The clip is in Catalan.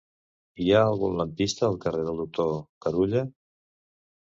Hi ha algun lampista al carrer del Doctor Carulla?